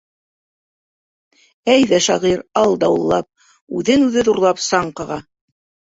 Әйҙә, шағир, ал дауыллап, Үҙен үҙе ҙурлап саң ҡаға.